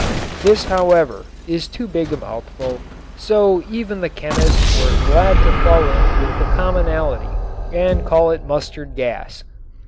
This, however, is too big a mouthful, so even the chemists were glad to fall in with the commonalty and call it "mustard gas."